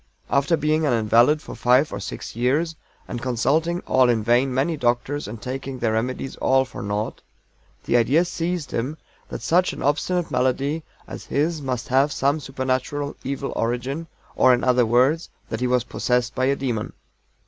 After being an invalid for five or six years, and consulting, all in vain, many doctors, and taking their remedies all for naught, the idea seized him that such an obstinate malady as his must have some supernatural evil origin, or in other words, that he was possessed by a demon.